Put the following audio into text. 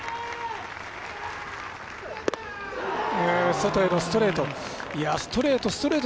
外へのストレート。